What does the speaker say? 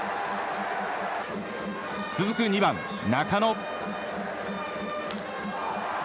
続く２番、中野。